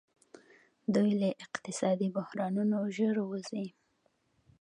دوی له اقتصادي بحرانونو ژر وځي.